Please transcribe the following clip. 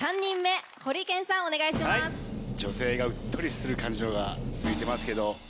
女性がうっとりする感じのが続いてますけど。